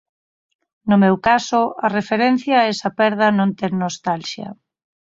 No meu caso, a referencia a esa perda non ten nostalxia.